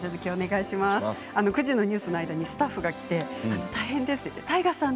９時のニュースの間にスタッフが来て大変です、太賀さん